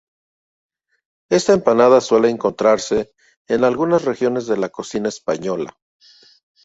Esta empanada suele encontrarse en algunas regiones de la cocina española.